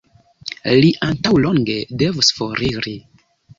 Li antaŭlonge devus foriri.